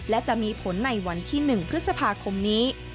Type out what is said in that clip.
และจะมีผลในวันที่๑พฤษภาคมนี้